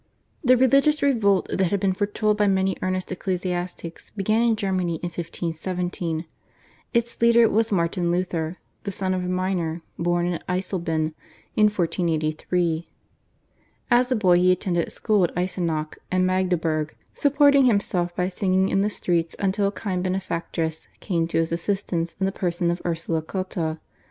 The religious revolt that had been foretold by many earnest ecclesiastics began in Germany in 1517. Its leader was Martin Luther, the son of a miner, born at Eisleben in 1483. As a boy he attended school at Eisenach and Magdeburg, supporting himself by singing in the streets until a kind benefactress came to his assistance in the person of Ursula Cotta.